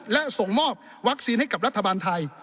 และส่งมอบวัคซีนให้กับรัฐบาลไทย